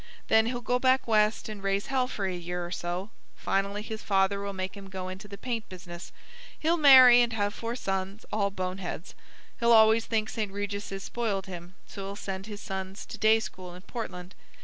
Then he'll go back West and raise hell for a year or so; finally his father will make him go into the paint business. He'll marry and have four sons, all bone heads. He'll always think St. Regis's spoiled him, so he'll send his sons to day school in Portland.